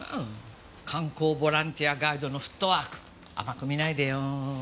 観光ボランティアガイドのフットワーク甘く見ないでよ。